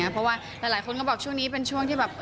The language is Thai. เพราะว่าหลายคนก็บอกช่วงนี้เป็นช่วงที่แบบ